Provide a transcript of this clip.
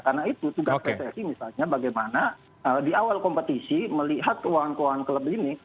karena itu tugas pssi misalnya bagaimana di awal kompetisi melihat keuangan keuangan club ini